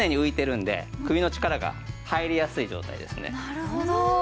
なるほど。